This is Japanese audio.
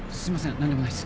何でもないっす。